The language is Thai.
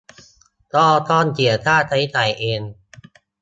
ก็ต้องเสียค่าใช้จ่ายเอง